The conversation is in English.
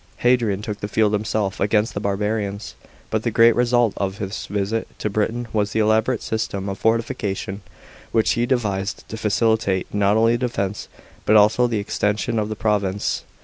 Hadrian took the field him self against the barbarians, but the great result of his visit to Britain was the elaborate system of fortification which he devised to facilitate not only the defence, but also the extension of the province.